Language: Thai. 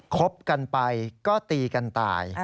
คบกันไปก็ตีกันตาย